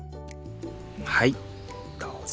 はいどうぞ。